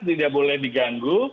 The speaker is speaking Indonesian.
tidak boleh diganggu